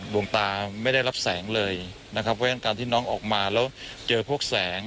ดวงตาไม่ได้รับแสงเลยซึ่งการที่น้องออกมาแล้วเจอพวกแสง